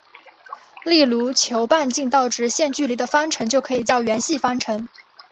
例如求半径到直线距离的方程就可以叫圆系方程。